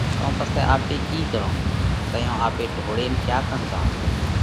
تو پسئہ آپي ڪِي ڪرونه؟ تئيون آپي ڍوڙينَ ڪيا ڪنَ زائونه؟